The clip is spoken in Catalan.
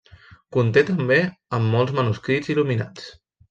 Conté també amb molts manuscrits il·luminats.